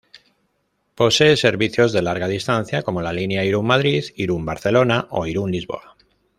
Posee servicios de larga distancia, como la línea Irún-Madrid, Irún-Barcelona o Irún-Lisboa.